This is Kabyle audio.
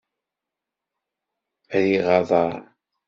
Rriɣ aḍar.